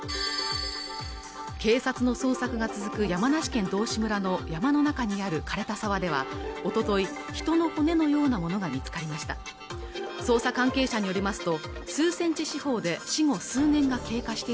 警察の捜索が続く山梨県道志村の山の中にある枯れた沢ではおととい人の骨のようなものが見つかりました